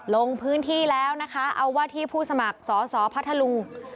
ลงพื้นที่แล้วนะคะเอาว่าที่ผู้สมัครสอสอพัทธลุง